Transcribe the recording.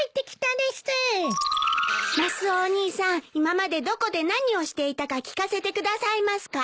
今までどこで何をしていたか聞かせてくださいますか。